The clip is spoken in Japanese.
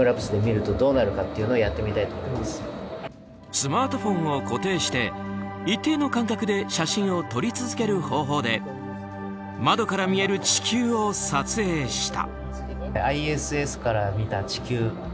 スマートフォンを固定して一定の間隔で写真を撮り続ける方法で窓から見える地球を撮影した。